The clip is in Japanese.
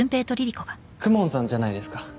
公文さんじゃないですか